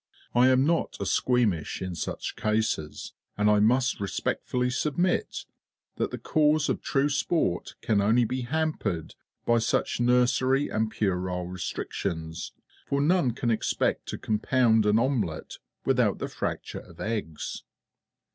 I am not a squeamish in such cases, and I must respectfully submit that the Cause of True Sport can only be hampered by such nursery and puerile restrictions, for none can expect to compound an omelette without the fracture of eggs.